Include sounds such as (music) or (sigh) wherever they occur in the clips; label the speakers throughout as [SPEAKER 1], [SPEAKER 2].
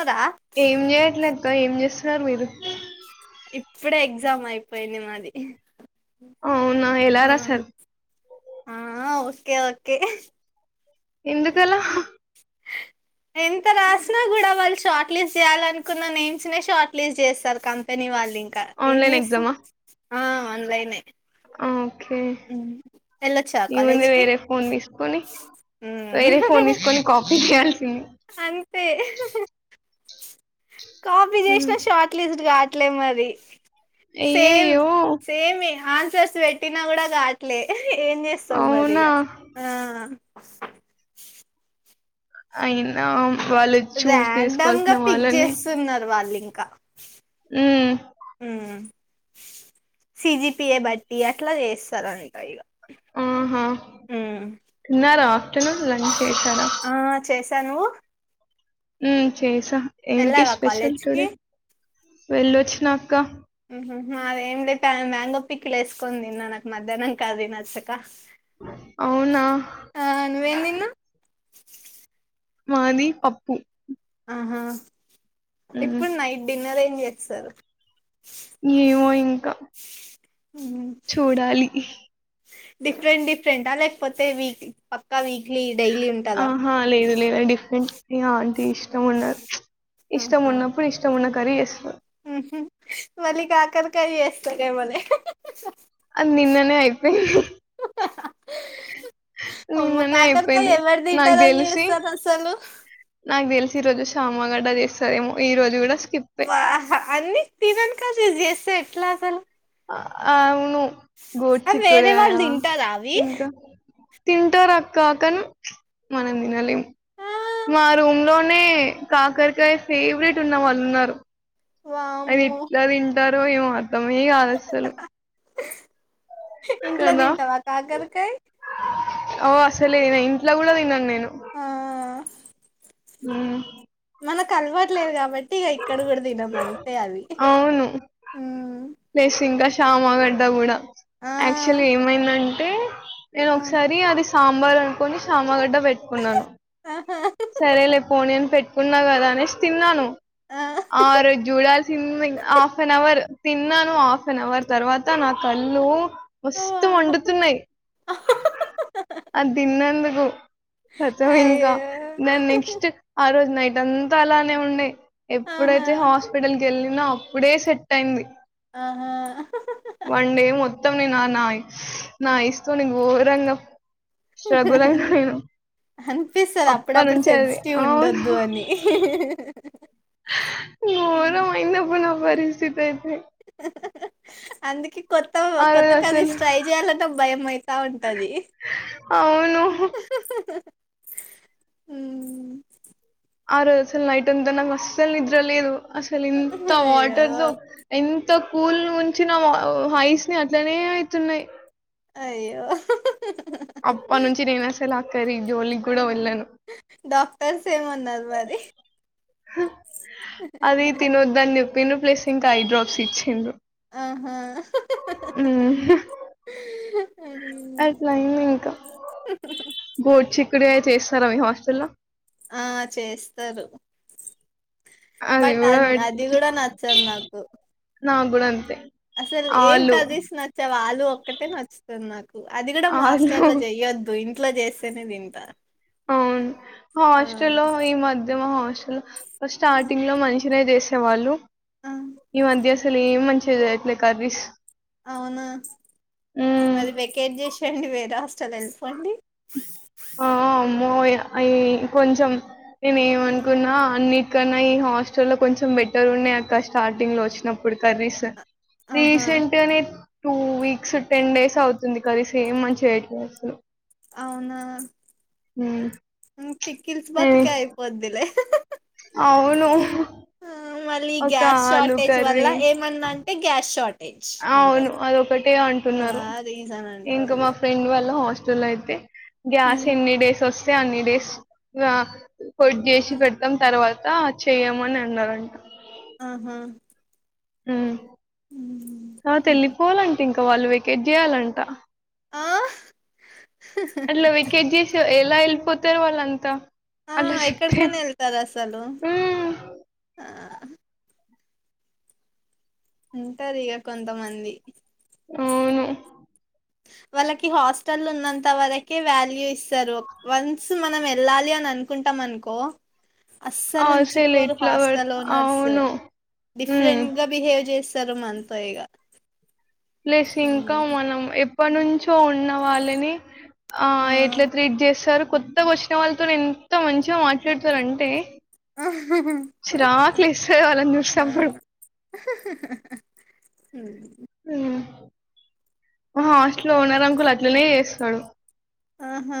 [SPEAKER 1] అదా
[SPEAKER 2] ఏం చేయట్లేక్క ఏం చేస్తున్నారు మీరు
[SPEAKER 1] ఇప్పుడే ఎగ్జామ్ అయిపోయింది మాది
[SPEAKER 2] అవునా ఎలా
[SPEAKER 1] ఆ
[SPEAKER 2] ‌రాసార్
[SPEAKER 1] ఆ ఓకే ఓకే
[SPEAKER 2] ఎందుకలా
[SPEAKER 1] ఎంత రాసిన కూడా వాళ్ళు షార్ట్ లిస్ట్ చేయాల అనుకున్నా నేమ్స్ నే షార్ట్ లిస్ట్ చేస్తారు కంపెనీ వాళ్ళు ఇంకా ఇంకా ఏం
[SPEAKER 2] ఆన్లైన్
[SPEAKER 1] చేస్తాం
[SPEAKER 2] ఎగ్జామా
[SPEAKER 1] ఆ ఆన్లైనే
[SPEAKER 2] ఆ ఓకే
[SPEAKER 1] ఉమ్. వెళ్ళొచ్చా
[SPEAKER 2] నీ
[SPEAKER 1] కాలేజ్
[SPEAKER 2] ముందు
[SPEAKER 1] కి
[SPEAKER 2] వేరే ఫోన్ తీసుకొని
[SPEAKER 1] ఉమ్.
[SPEAKER 2] వేరే ఫోన్ తీసుకొని కా (inaudible)
[SPEAKER 1] అంతే కాపి చేసిన
[SPEAKER 2] ఉమ్.
[SPEAKER 1] షార్ట్లిస్ట్ కా అట్లే మరి సేమ్
[SPEAKER 2] అయ్యయ్యో
[SPEAKER 1] సేమ్ మిహన్ సస్ పెట్టినా కూడా కాట్లే ఏం చేస్తావు మరి
[SPEAKER 2] అవునా
[SPEAKER 1] ఇగ
[SPEAKER 2] అయినా వాళ్ళు చూస్
[SPEAKER 1] ర్యాండమ్ గా
[SPEAKER 2] చేసుకోవాల్సిన
[SPEAKER 1] పిక్
[SPEAKER 2] వాళ్ళనే
[SPEAKER 1] చేస్తున్నారు వాళ్ళు క
[SPEAKER 2] ఉమ్
[SPEAKER 1] ఉ సిజిపిఏ బట్టి అట్లా చేస్తారు అంట ఇగ
[SPEAKER 2] ఆహా తిన్నారా ఆఫ్టర్నూన్ లంచ్ చేసారా
[SPEAKER 1] తను
[SPEAKER 2] ఉ చేస్ ఏంటి స్పెషల్
[SPEAKER 1] కాలేజ్ కి
[SPEAKER 2] టుడే వెళ్ళొచినాక్క
[SPEAKER 1] ఉ హు అది ఏమియితే తన మ్యాంగో పికిల్ వేసుకొని తిన్న నాకు మధ్యాహ్నం కాది నచ్చక
[SPEAKER 2] అవునా
[SPEAKER 1] ఆ నువ్వేం తిన్నావ్
[SPEAKER 2] మాది పప్పు
[SPEAKER 1] హా
[SPEAKER 2] ఉమ్
[SPEAKER 1] ఇప్పుడు నైట్ డిన్నర్ ఏం్ చేస్తారు
[SPEAKER 2] ఏమో ఇంకా చూడాలి
[SPEAKER 1] డిఫరెంట్ డిఫరెంట్ా లేకపోతే వీక్ పక్కా వీక్
[SPEAKER 2] ఆహా లేదు లేదు డిఫరెంట్ ఆ ఇష్టన్నాద్ ఇష్టం ఉడిన్నప్పుడు ఇష్టమున్న కరి అస్
[SPEAKER 1] మలికాకకాయి అస్త రిమోలే
[SPEAKER 2] అది నిన్ననే అయిపోయింది
[SPEAKER 1] అమ్మో
[SPEAKER 2] నిన్ననే
[SPEAKER 1] కాకరకాయ
[SPEAKER 2] అయిపోయింది
[SPEAKER 1] ఎవరు
[SPEAKER 2] నాకు
[SPEAKER 1] తింటారని
[SPEAKER 2] తెలిసి
[SPEAKER 1] చేస్తారు అసలు
[SPEAKER 2] నాకు తెలిసి ఈరోోజు శ మ్మగడ్డ చేస్తారేమో ఈ రోజు కూడా స్కిప్పే
[SPEAKER 1] వాహ అన్నీ తిననీ కయ్ చేస్తే ఎట్లా అసలు
[SPEAKER 2] అవు ను గోర్
[SPEAKER 1] అవి వేరే
[SPEAKER 2] చికుడయా
[SPEAKER 1] వాళ్ళు తింటారా అవి
[SPEAKER 2] ఇంకా తింటారు అక్క కాని మనం తినలేం
[SPEAKER 1] ఆ
[SPEAKER 2] మా రూమ్ లోనే కాకరకాయ ఫేవరెట్ ఉన్న వాళ్ళు ఉన్నారు. అవి
[SPEAKER 1] వామ్మో
[SPEAKER 2] ఎట్లా థీమ్ టారో ఏమో అర్థమే కాదు అసలు.
[SPEAKER 1] ఇంట్లో తింటావా కాకరకాయ
[SPEAKER 2] అవా అసలే నే ఇంట్లో కూడా తినను నేను.
[SPEAKER 1] ఆ
[SPEAKER 2] ఉ
[SPEAKER 1] కలవట్లేదు కాబట్ టిగా ఇక్కడ కూడా తినం అంతే అది.
[SPEAKER 2] ప్లేస్ ఇంకా షామాగడ్డ కూడా.
[SPEAKER 1] ఆ
[SPEAKER 2] ఆక్చులీ ఏమైదాన్ నేను
[SPEAKER 1] ఆ
[SPEAKER 2] ఒకసారి అరీస్ సాంబార్ అనుకోని సామగడ్డ పెట్టుకున్నాను.
[SPEAKER 1] ఆహా
[SPEAKER 2] ఉన్నా కదా అనేసి తిన్నాను. ఆ జూడాల సి హాఫ్ నావర్ తిన్నాను హాఫ్న్ అవర్ తర్వాత నా కళ్ళు.
[SPEAKER 1] ఆ వా.
[SPEAKER 2] మాస్తుూ వండుతున్నాయి ఆ తిన్నందుకు సచం ఇంకా.
[SPEAKER 1] అయ్యో
[SPEAKER 2] నెక్స్ట్ ఆ రోజు నైట్ అంతా అలానే ఉండేయి
[SPEAKER 1] ఆహా
[SPEAKER 2] ఎప్పుడైతే హాస్పిటల్ వేళ్ళినా అప్పుడే సెట్ అయింది.
[SPEAKER 1] ఆహా
[SPEAKER 2] (unintelligible) నాయిస్ వొస్తోంది ఘోరంగ స్ట్రగుల్ అయి పోయేను
[SPEAKER 1] అనిపిస్తది అప్పుడప్పుడు సెన్సిటివ్
[SPEAKER 2] అవును
[SPEAKER 1] ఉండొద్దు అని
[SPEAKER 2] ఘోరం అయింది అబ్బ నాకు పరిస్థితి అయితే
[SPEAKER 1] అందుకే కొత్త
[SPEAKER 2] ఆ
[SPEAKER 1] కొత్త
[SPEAKER 2] రోజు
[SPEAKER 1] కర్రీస్
[SPEAKER 2] అసలు
[SPEAKER 1] ట్రై చేయాలంటే భయం అయితా ఉంటంది
[SPEAKER 2] అవును
[SPEAKER 1] అ
[SPEAKER 2] ఆ రోజు నైట్ అంతా నాకు అస్సల్ నిద్ర లేదు అసలు ఎంత
[SPEAKER 1] అయ్యో
[SPEAKER 2] వాటర్తో ఎంత కూల్ ఉంచిన హైస్ ని అట్లనే అవుతున్నాయి
[SPEAKER 1] అయ్యో
[SPEAKER 2] అప్పట్నుంచి నేనాసలా కర్రీ జోలి కూడా వెల్లను
[SPEAKER 1] డాక్టర్ మన్నారు మరి
[SPEAKER 2] హ అది తినొద్దని చెప్పిర్రు ప్లేస్ ఇంకా ఐ డ్రాప్స్ ఇచ్చిండ్రు
[SPEAKER 1] ఆహా
[SPEAKER 2] ఊమ్
[SPEAKER 1] ఉమ్.
[SPEAKER 2] అట్లా అయింది ఇంకా గోట్ చి ఇక్కడే చేస్తారా మీ హాస్టల్లో
[SPEAKER 1] ఆ చేస్తారు
[SPEAKER 2] అది
[SPEAKER 1] బట్ అ
[SPEAKER 2] కూడా
[SPEAKER 1] అది
[SPEAKER 2] పెట్-
[SPEAKER 1] కూడా నచ్చదు నాకు
[SPEAKER 2] నాకు కూడా అంతే
[SPEAKER 1] అసలు ఏం
[SPEAKER 2] ఆలు
[SPEAKER 1] కర్రీస్ నచ్చవు ఆలు ఒక్కటే నచ్చుతుంది నాకు అది కూడా మా
[SPEAKER 2] ఆలు
[SPEAKER 1] హాస్టల్ లో చెయొద్దు ఇం ఇంట్ల చేస్తేనే తింటా
[SPEAKER 2] అవును
[SPEAKER 1] ఆ
[SPEAKER 2] హాస్టల్లో ఈ మధ్య మా హాస్టల్ స్టార్టింగ్ లో మంచిగా మంచిగానే చేసే వాళ్ళు
[SPEAKER 1] ఆ
[SPEAKER 2] ఈ మధ్య అసలేం మంచి చేయట్లే కరీస్
[SPEAKER 1] అవునా మరీ వెకేట్ చేసి చండి వేర హస్టలు వెళ్ళిపోండి
[SPEAKER 2] అ కొంచెం నేను ఏం
[SPEAKER 1] ఆ
[SPEAKER 2] అనుకున్నా అన్ని ఇక్కనయి ఈ హాస్టల్ లో కొంచెం బెటర్ ఉన్నాయి అక్క స్టార్టింగ్ లో వచ్చినప్పుడు కర్రీస్
[SPEAKER 1] ఆహా
[SPEAKER 2] రీసెంట్ నేన్ టూ వీక్స్ టెన్ డేస్ అవుతుంది కది సేమ్ మంచి ఎట్ల వస్తయి
[SPEAKER 1] అవున పికిల్స్ బత్కె అయిపోద్ది లె
[SPEAKER 2] ఆవును
[SPEAKER 1] మళ్ళీ గ్యాస్ షార్టేజ్ వల్ల ఏమన్నా అంటే గ్యాస్ షార్ట్
[SPEAKER 2] అవును అదొకటే అంటున్నారు
[SPEAKER 1] రీజన్
[SPEAKER 2] ఇంక
[SPEAKER 1] అంటారు
[SPEAKER 2] మా
[SPEAKER 1] ఇగ
[SPEAKER 2] ఫ్రెండ్ వాళ్ళ హాస్టల్ జూలై అయితే గ్యాస్ ఎన్ని డేస్ వస్త అయితే అన్ని డేస్ ఇగ ఫుడ్ చేసి పెడ్తాం తర్వాత త చెయ్యమని అన్నారంట
[SPEAKER 1] ఆహ
[SPEAKER 2] ఊహ్ తర్వత ఎల్లిపోవాలంటే ఇంక తొ వాల్లు వ్యాకేట్ చేయాలంటా
[SPEAKER 1] ఆ
[SPEAKER 2] అట్ల వ్యాకేట్ చేసె ఎలా వెళ్ళిపోతరు వాళ్ళంతా
[SPEAKER 1] ఆ
[SPEAKER 2] అట్లా చెప్తే
[SPEAKER 1] ఎక్కడకనేళ్తదసలు
[SPEAKER 2] ఉమ్
[SPEAKER 1] ఉంటారు ఇగ కొంత మంది
[SPEAKER 2] అవును
[SPEAKER 1] వాళ్ళకి హాస్టల్ ఉన్నంత వరకే వాల్యూ ఇస్తరు వన్స్ మనం వెళ్ళాలి అని అనుకుంటాం అనుకో అస్సలు
[SPEAKER 2] అసలు
[SPEAKER 1] ఉంచుకోరు
[SPEAKER 2] ఎట్లా పడు
[SPEAKER 1] హాస్టల్ ఓనర్స్
[SPEAKER 2] అవును ఉమ్
[SPEAKER 1] డిఫరెంట్గా బిహేవ్ చేసి ఇస్తర్ మనతో ఇగ
[SPEAKER 2] ప్లెస్ ఇంకా మనం ఇప్ ఇప్పుడ్నుంచ్ తో ఉన్న వాళ్ళని ఆ ఎట్లా ట్రీట్ చేస్తారు కొత్తగ వచ్చిన వాళ్ళతోనె ఎంత మంచిగా మాట్లాడతారంటే చిరాక్ లేస్తది వాళ్ళని చూసినప్పుడు
[SPEAKER 1] ఉమ్
[SPEAKER 2] ఉమ్ మ హాస్టల్ లో ఒనరంకులు అట్లనే చేస్తాడు
[SPEAKER 1] ఆహా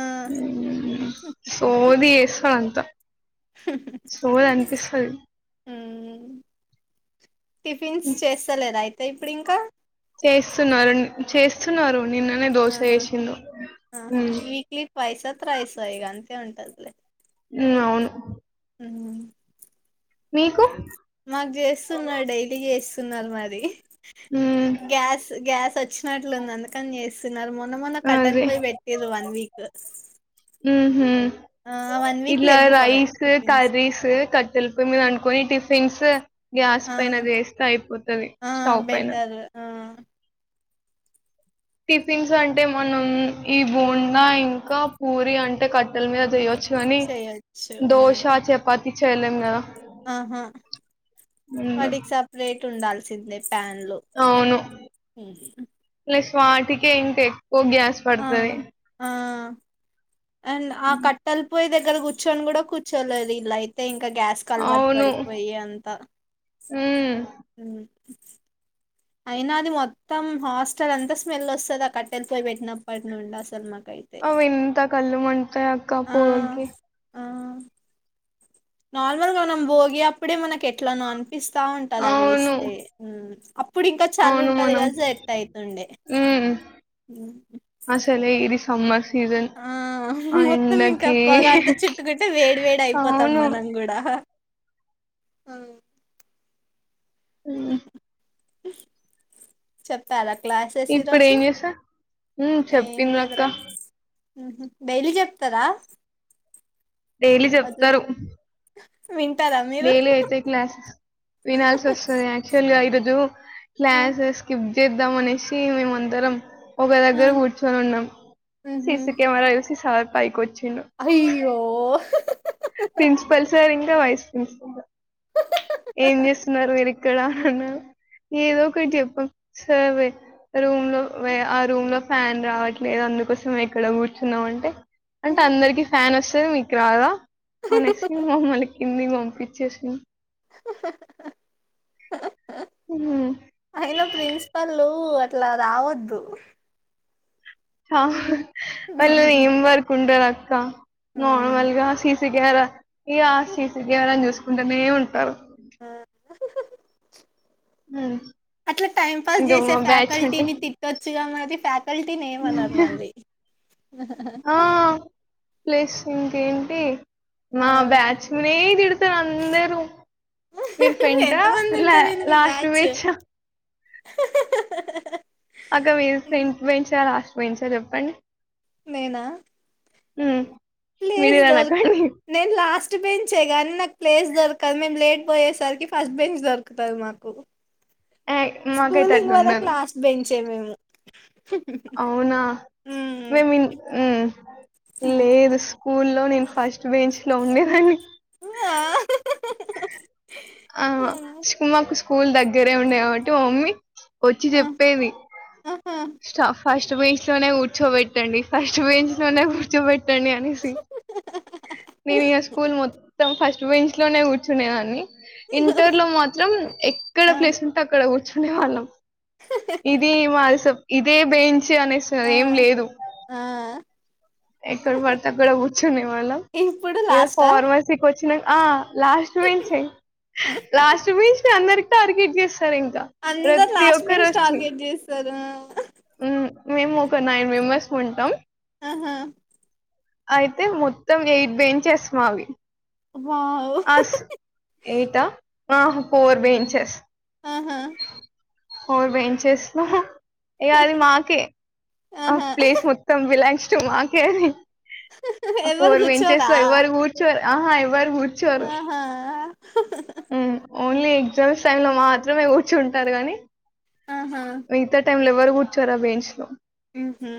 [SPEAKER 2] సోది ఎసుడు అంత ద సోది అనిపిస్తది.
[SPEAKER 1] ఉమ్ టిఫిన్స్ చేస్తలేదా అయి. ఇప్పుడు ఇంకా.
[SPEAKER 2] చేస్తున్నారు చేస్తున్నారు. నిన్ననే దోస
[SPEAKER 1] ఆహా
[SPEAKER 2] చేసిండ్రు ఉమ్.
[SPEAKER 1] త్రైస్ ఇక అంతే ఉంటదిలే.
[SPEAKER 2] ఉమ్ అవును.
[SPEAKER 1] ఉమ్.
[SPEAKER 2] మీకు.
[SPEAKER 1] మాకు చేస్తున్నారు. డైలీ చేస్తున్నారు మరి.
[SPEAKER 2] ఉమ్
[SPEAKER 1] గ్యాస్ గ్యాస్ వచ్చు వచ్చినట్లుంది అందుకని చేస్తున్నారు మొ.
[SPEAKER 2] అదే ఉమ్మ్
[SPEAKER 1] ఆ వన్ వీక్
[SPEAKER 2] ఇలా
[SPEAKER 1] లేవ్వు
[SPEAKER 2] రైస్
[SPEAKER 1] టిఫిన్స్
[SPEAKER 2] కరీస్ కట్టల పోయి మీద అన్. కొన్ని టిఫిన్స్. గ్యాస్
[SPEAKER 1] ఆ
[SPEAKER 2] పైన చేస్తే అయిపోతది.
[SPEAKER 1] ఆ
[SPEAKER 2] స్టవ్ పైన.
[SPEAKER 1] బెటర్ ఆ
[SPEAKER 2] టిఫిన్స్ అంటే మనం ఈ బోండా ఇంకా పూరి అంటే కట్టెల మీద చేయొచ్చు. కాని
[SPEAKER 1] చేయొచ్చు
[SPEAKER 2] దోశ, చపాతి. పిచ్చ చేయలేం కదా.
[SPEAKER 1] ఆహా
[SPEAKER 2] ఉమ్,
[SPEAKER 1] వాటికి సపరేట్. ఉండాల్సిందే. జపాన్ లో
[SPEAKER 2] అవును
[SPEAKER 1] ఉమ్.
[SPEAKER 2] ప్లస్ వాటికే ఇంత ఎక్. త్రీ అవర్స్ పడుతది.
[SPEAKER 1] ఆ అండ్ ఆహ్ కట్టల్. పొయ్యి దగ్గర కూర్చొని కూడా కూర్చోలేదు ఇల్లా అయితే ఇం. ఇంకా గ్యాస్ కి అలవాటు
[SPEAKER 2] అవును
[SPEAKER 1] పడిపోయి అంతా.
[SPEAKER 2] ఉమ్
[SPEAKER 1] ఉమ్. అయినా అది మొత్తం హాస్టల్ అంతా స్మెల్ వస్తుంది. అ కట్టెళపొయ్యి పెట్టినప్పటి నుండి అసలు మాకు.
[SPEAKER 2] అవి ఇంత కళ్లు మండుతాయి
[SPEAKER 1] ఆ
[SPEAKER 2] అక్కపోగకి.
[SPEAKER 1] నార్మల్ గా మనం భోగి అప్పుడే మనకు ఎట్లానో అన్. ఇప్పిస్తా ఉంటది అవి
[SPEAKER 2] అవును
[SPEAKER 1] వేస్తే ఉమ్. ఇప్పుడు ఇంకా చాలి
[SPEAKER 2] అవును
[SPEAKER 1] ఉంటది
[SPEAKER 2] మనం
[SPEAKER 1] కదా సెర్ట్ అవుతుండే.
[SPEAKER 2] ఉమ్ సమ్మర్స్.
[SPEAKER 1] ఆ మొత్తం ఇంకా పోగంత చుట్టుకుంటే వేడి వేడి అయిపోతం
[SPEAKER 2] అవును
[SPEAKER 1] మనం కూడా అ
[SPEAKER 2] మ్మ్
[SPEAKER 1] చెప్పరా
[SPEAKER 2] ఇప్పుడు ఏం చేసా మ్మ్
[SPEAKER 1] ఏం
[SPEAKER 2] చెప్పింది అక్క
[SPEAKER 1] లేదురా డైలీ చెప్తరా
[SPEAKER 2] డైలీ చెప్తరు
[SPEAKER 1] వింటారా మీరు
[SPEAKER 2] డైలీ అయితే క్లాసెస్ వినాల్స్ వస్తుంది ఆక్చువల్గా ఈరోజు
[SPEAKER 1] ఆ
[SPEAKER 2] క్లాసెస్ స్కిప్ చేద్దామనేసి మేమందరం ఒక
[SPEAKER 1] ఆ
[SPEAKER 2] దగ్గర కూర్చొని ఉన్నం
[SPEAKER 1] ఉహు
[SPEAKER 2] సీసీ కెమెరా చూసి సార్ పైకోచ్చి
[SPEAKER 1] అయ్యో
[SPEAKER 2] ప్రిన్సిపల్ సార్ వైస్ ప్రిన్సిపాల్ ద ఇక్కడ అన్నారు ఏదో ఒకటి చెప్పం సర్ రూమ్ లో ఆ రూమ్ లో ఫ్యాన్ రావట్లేదు అందుకోసమే ఇక్కడ కూర్చున్నాం అంటే అంటే అందరికి ఫ్యాన్ అస్ స్తది మీకు రాదా అనేస్కున్ మమ్మల్ని కిందిక్ పంపిచేశినా
[SPEAKER 1] అయినా ప్రిన్సిపల్లు పు అట్లా రావద్దు
[SPEAKER 2] ఆహ్ వాళ్లు ఎమ్ వర్క్ ఉంటదక్ కా
[SPEAKER 1] ఉమ్,
[SPEAKER 2] నార్మల్ గా సిసి గార ఈగా సి సి కెమెరాను చూసుకుంటనే ఉంటారు
[SPEAKER 1] ఆ అట్లా టైం పాస్
[SPEAKER 2] ఇంకా
[SPEAKER 1] చేసే
[SPEAKER 2] మా బ్యాచ్ అంటే
[SPEAKER 1] ఫ్యాకల్టీని తిట్టొచ్చుగా మరి కల్టీని ఏమనరు మళ్ళీ
[SPEAKER 2] ఆ ప్లస్ ఇంకేంటీ మా
[SPEAKER 1] ఆ
[SPEAKER 2] బ్యాచ్చనే తిడుతారు అందరూ మీరు ఫ్రెంటా
[SPEAKER 1] ఎంతమంది
[SPEAKER 2] ల లాస్ట్ బెంచా
[SPEAKER 1] హ హా.
[SPEAKER 2] అక్క మీరు ఫ్రంట్ బెంచా లాస్ట్ బెంచా చెప్పండి
[SPEAKER 1] నేనా
[SPEAKER 2] మ్మ్
[SPEAKER 1] ప్లేస్ దొరు నేను లాస్ట్ బెంచే కానీ నాకు ప్లేస్ దొరకదు మేము లేట్ పోయేసరికి ఫస్ట్ బెంచ్ దొరుకుతాది మాకు.
[SPEAKER 2] ఏ మాకైతే
[SPEAKER 1] స్కూలింగ్
[SPEAKER 2] అట్లా
[SPEAKER 1] వరకు లాస్ట్ బెంచే మేము
[SPEAKER 2] అవున
[SPEAKER 1] హ్మ్
[SPEAKER 2] మేమ్ ఇన్ హ్మ్
[SPEAKER 1] హ్మ్
[SPEAKER 2] లేదు సు స్కూల్లో నేను ఫస్ట్ బెంచ్ లో ఉండేదాని
[SPEAKER 1] ఆ
[SPEAKER 2] ఆహా సుమ కుసుమ స్కూల్ దగ్గరే ఉండేయి కాబట్టి మా మమ్మీ వచ్చి
[SPEAKER 1] ఆ
[SPEAKER 2] చెప్పేది
[SPEAKER 1] ఆహా
[SPEAKER 2] స్టఫ్ ఫస్ట్ బేంచ్ లోనే కూర్చోబెట్టండి ఫస్ట్ బేంచ్ లోనే కూర్చోబెట్ టండి అనేసి నేను ఇగ స్కూల్ మొత్తం ఫస్ట్ ఫస్ట్ బెంచ్ లోనే కూర్చునేదాన్ని ఇంటర్ లో మాత్రం ఎక్కడ
[SPEAKER 1] ఆ
[SPEAKER 2] ప్లేస్ ఉంటే అక్కడ కూర్ కూర్చునే వాళ్ళం ఇది మాది సప్ ఇదే బేన్ చు అనేసి
[SPEAKER 1] ఆ
[SPEAKER 2] అదేం లేదు
[SPEAKER 1] ఆ
[SPEAKER 2] ఎక్కడ పడితే అక్కడ కూర్చునే వాళ్ళం
[SPEAKER 1] ఇప్పుడు లాస్టా
[SPEAKER 2] ఫార్మసీకి వచ్ చ్చిన ఆ లాస్ట్ బెంచే లాస్ట్ బెంచ్ చ్ అందరికి టార్గెట్ చేస్
[SPEAKER 1] అందరు లాస్ట్ బెంచ్ టార్గెట్ చేస్తారు
[SPEAKER 2] హ్మ్. మేము ఒక నైన్ మెంబర్స్ ఉంటాం.
[SPEAKER 1] ఆ
[SPEAKER 2] అయితే మొత్తం ఎయిట్ బేంచ్స్ మావి
[SPEAKER 1] వావ్
[SPEAKER 2] అస్ ఎయిట ఆ ఫోర్ బెంచెస్
[SPEAKER 1] ఆహా
[SPEAKER 2] ఫోర్ బెంచెస్ లో ఇగ అది మాకే ఆ
[SPEAKER 1] ఆహా
[SPEAKER 2] ప్లేస్ మొత్తం ఈ లైన్స్ టూ మాకే
[SPEAKER 1] ఎవరు
[SPEAKER 2] ఫోర్ బెంచెస్
[SPEAKER 1] కూర్చోరా
[SPEAKER 2] లో ఎవరు కూర్చోర్ ఆహా ఎవ్వరు కూర్చోరు
[SPEAKER 1] ఆహా
[SPEAKER 2] ఉమ్
[SPEAKER 1] (inaudible)
[SPEAKER 2] ఓన్లీ ఎగ్జామ్స్ టైమ్ లో మాత్రమే గూర్చుంటారు గాని
[SPEAKER 1] ఆహా
[SPEAKER 2] మిగతా టైమ్ లో ఎవరు కూర్చోరు ఆ బెంచ్ లో
[SPEAKER 1] ఉహు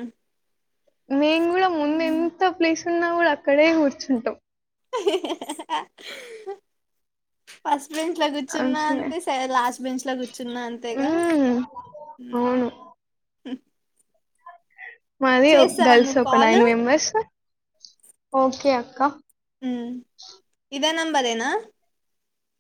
[SPEAKER 2] నేను గూడా ముందు ఎంత ప్లేస్ నువ్వు గూడా అక్కడే కూర్చుంటవ్
[SPEAKER 1] పస్ బెంచ్ లో గూచ్చున్నా
[SPEAKER 2] మంచినే
[SPEAKER 1] అంతే సరే లాస్ట్ బెంచ్ లో గూచ్చున్నా అంతేగా
[SPEAKER 2] ఉమ్
[SPEAKER 1] ఆ
[SPEAKER 2] అవును
[SPEAKER 1] (unintelligible)
[SPEAKER 2] మాది గర్ల్స్
[SPEAKER 1] నువ్వు
[SPEAKER 2] ఒక
[SPEAKER 1] కాల్
[SPEAKER 2] నైన్ మెంబర్స్ ఓకే అక్క
[SPEAKER 1] మ్ ఇదే నంబరేనా